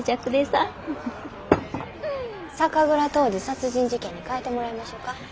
「酒蔵杜氏殺人事件」に変えてもらいましょか？